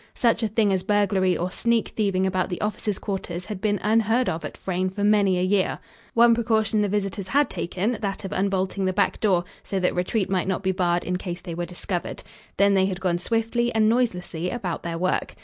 Such a thing as burglary or sneak thieving about the officers' quarters had been unheard of at Frayne for many a year. One precaution the visitors had taken, that of unbolting the back door, so that retreat might not be barred in case they were discovered. Then they had gone swiftly and noiselessly about their work.